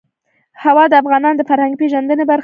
هوا د افغانانو د فرهنګي پیژندنې برخه ده.